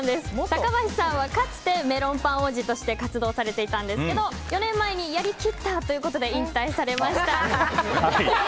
タカバシさんは、かつてメロンパン王子として活動されていたんですけど４年前にやりきったということで引退されました。